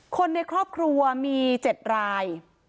คนในครอบครัวมี๗ราย